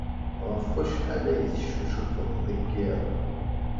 Ɣef wacḥal ay teccucufeḍ deg yiḍ?